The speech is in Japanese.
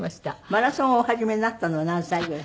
マラソンをお始めになったのは何歳ぐらい？